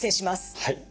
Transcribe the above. はい。